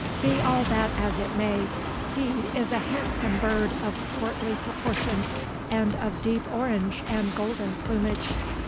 Be all that as it may, he is a handsome bird of portly proportions and of deep orange and golden plumage.